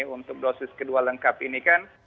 untuk dosis kedua lengkap ini kan